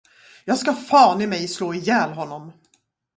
Jag ska fan i mig slå ihjäl honom.